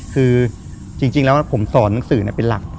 คือจริงแล้วผมสอนหนังสือเป็นหลัก